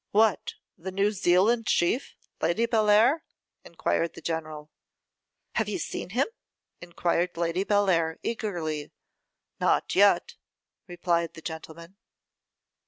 'What, the New Zealand chief, Lady Bellair?' enquired the general. 'Have you seen him?' enquired Lady Bellair, eagerly. 'Not yet,' replied the gentleman.